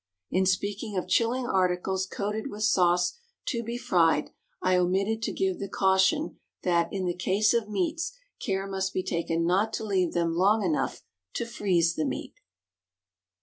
In speaking of chilling articles coated with sauce to be fried, I omitted to give the caution that, in the case of meats, care must be taken not to leave them long enough to freeze the meat.